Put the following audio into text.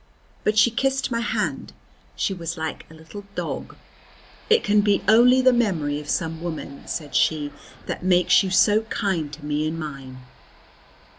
But she kissed my hand; she was like a little dog. "It can be only the memory of some woman," said she, "that makes you so kind to me and mine."